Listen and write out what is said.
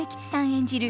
演じる